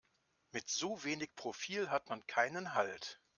Mit so wenig Profil hat man keinen Halt.